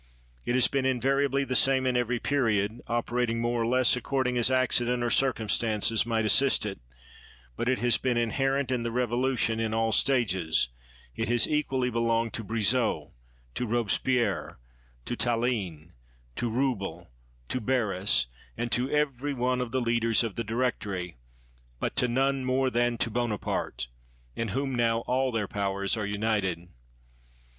It has been invariably the same in every period, operating more or less, accord ing as accident or circumstances might assist it; but it has been inherent in the Revolution in all stages; it has equally belonged to Brissot, to Robespierre, to Tallien, to Reubel, to Barras, and 13 THE WORLD'S FAMOUS ORATIONS to every one of the leaders of the Directory, but to none more than to Bonaparte, in whom now all their powers are united.